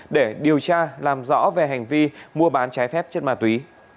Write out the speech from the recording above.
để điều tra làm rõ về hành vi mua bán trái phép chất ma túy